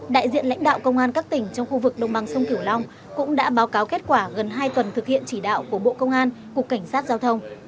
đại diện lãnh đạo công an các tỉnh trong khu vực đồng bằng sông kiểu long cũng đã báo cáo kết quả gần hai tuần thực hiện chỉ đạo của bộ công an cục cảnh sát giao thông